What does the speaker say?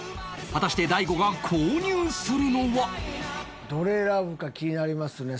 果たしてどれ選ぶか気になりますね。